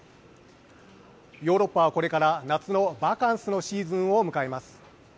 ヨーロッパはこれから夏のバカンスのシーズンを迎えます。